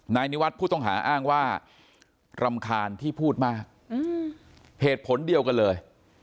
นิวัฒน์ผู้ต้องหาอ้างว่ารำคาญที่พูดมากเหตุผลเดียวกันเลย